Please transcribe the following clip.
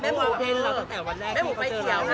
แม่หมูไปเขียวนะ